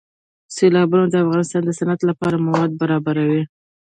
سیلابونه د افغانستان د صنعت لپاره مواد برابروي.